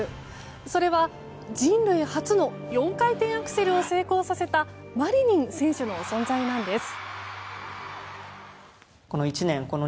それは人類初の４回転アクセルを成功させたマリニン選手の存在なんです。